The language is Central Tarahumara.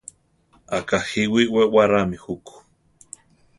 Akajíwi we warámi juku.